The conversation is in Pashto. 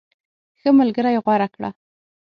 ښه ملګری غوره کړه.